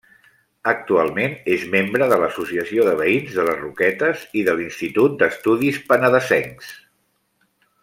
Actualment és membre de l'associació de veïns de les Roquetes i de l'Institut d'Estudis Penedesencs.